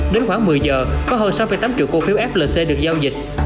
đến khoảng một mươi giờ có hơn sáu tám triệu cổ phiếu flc được giao dịch